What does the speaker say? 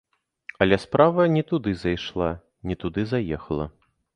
Але справа не туды зайшла, не туды заехала.